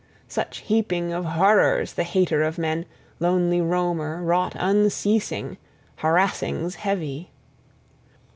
Such heaping of horrors the hater of men, lonely roamer, wrought unceasing, harassings heavy.